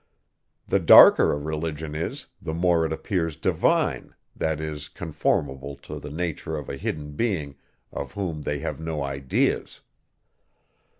The darker a religion is, the more it appears divine, that is, conformable to the nature of a hidden being, of whom they have no ideas.